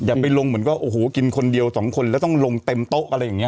อย่าไปลงเหมือนกับกินคนเดียว๒คนแล้วต้องลงเต็มโต๊ะอะไรอย่างนี้